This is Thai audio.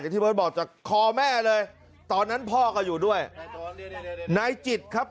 ที่เบิร์ตบอกจากคอแม่เลยตอนนั้นพ่อก็อยู่ด้วยนายจิตครับ